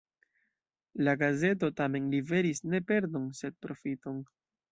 La gazeto tamen liveris ne perdon, sed profiton.